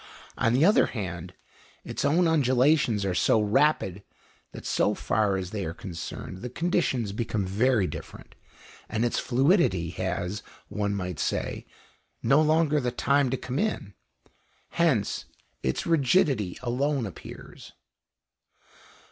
On the other hand, its own undulations are so rapid that so far as they are concerned the conditions become very different, and its fluidity has, one might say, no longer the time to come in. Hence its rigidity alone appears.